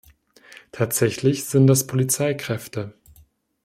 Tatsächlich sind das Polizeikräfte.